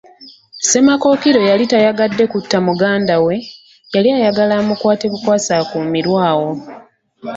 Ssemakookiro yali tayagadde kutta muganda we, yali ayagala amukwate bukwasi akuumirwe awo.